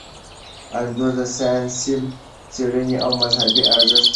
انځور د ساینسي څیړنې او مذهبي ارزښت دواړه لري.